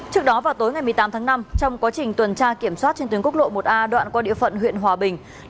trước đó vào tối ngày một mươi tám tháng năm trong quá trình tuần tra kiểm soát trên tuyến quốc lộ một a đoạn qua địa phận huyện hòa bình